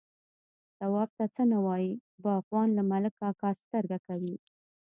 _تواب ته څه نه وايي، باغوان، له ملک کاکا سترګه کوي.